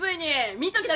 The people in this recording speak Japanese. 見ときな